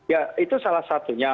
ya itu salah satunya